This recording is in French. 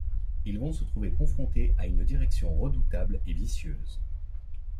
Ils vont se trouver confrontés à une direction redoutable et vicieuse.